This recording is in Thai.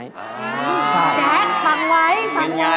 แจ๊กฟังไว้ฟังไว้